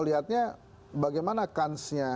lihatnya bagaimana kansnya